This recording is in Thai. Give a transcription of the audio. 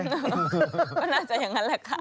ก็น่าจะอย่างนั้นแหละค่ะ